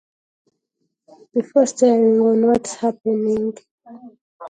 Before starring on What's Happening!!